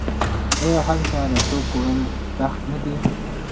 آیا هلته د توکو وړل سخت نه دي؟